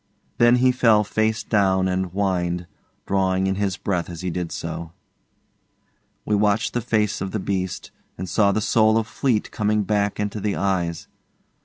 Then he fell face down and whined, drawing in his breath as he did so. We watched the face of the beast, and saw the soul of Fleete coming back into the eyes.